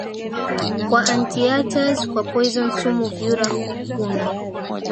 kwa anteaters kwa poison sumu vyura Kuna